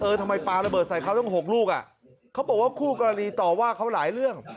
ทำไมปลาระเบิดใส่เขาตั้ง๖ลูกอ่ะเขาบอกว่าคู่กรณีต่อว่าเขาหลายเรื่อง